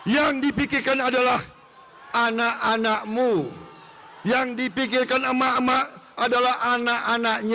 yang dipikirkan adalah anak anakmu yang dipikirkan emak emak adalah anak anaknya